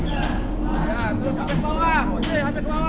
oke hape ke bawah